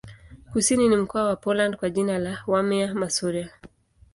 Kusini ni mkoa wa Poland kwa jina la Warmia-Masuria.